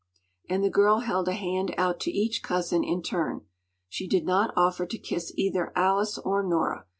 ” And the girl held a hand out to each cousin in turn. She did not offer to kiss either Alice or Nora.